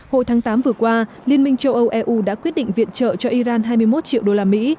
hồi tháng tám vừa qua liên minh châu âu eu đã quyết định viện trợ cho iran hai mươi một triệu đô la mỹ